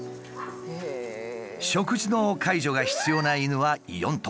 食事の介助が必要な犬は４頭。